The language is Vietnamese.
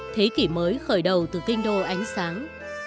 thế kỷ mới khởi đầu từ kinh đô ánh sáng